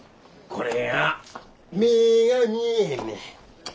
これがな目ぇが見えへんねん。